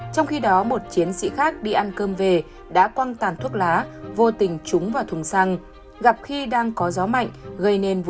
trong khi đó một chiến sĩ khác đi ăn cơm về đã quăng tàn thuốc lá vô tình trúng vào thùng xăng